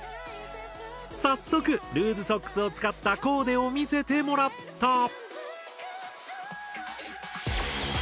早速ルーズソックスを使ったコーデを見せてもらった。